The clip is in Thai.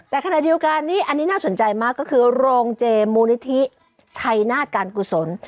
แต่ขณะเดียวกันนี่อันนี้น่าสนใจมากก็คือโรงเจมูลนิธิชัยนาฏการกุศล